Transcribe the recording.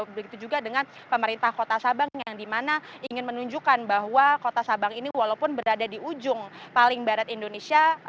begitu juga dengan pemerintah kota sabang yang dimana ingin menunjukkan bahwa kota sabang ini walaupun berada di ujung paling barat indonesia